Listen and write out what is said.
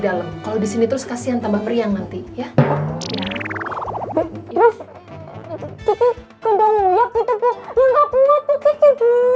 dalam kalau disini terus kasihan tambah meriang nanti ya ya terus kiki ke dalam uya gitu bu